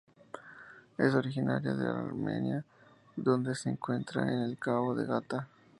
Es originaria de Almería donde se encuentra en el Cabo de Gata.